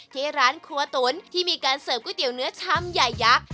ที่ร้านครัวตุ๋นที่มีการเสิร์ฟก๋วยเตี๋ยวเนื้อชามใหญ่ยักษ์